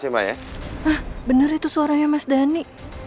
hah bener itu suaranya mas dhani